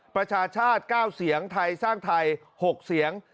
ประชาชาติ๙เสียงไทยสร้างไทย๖เสียง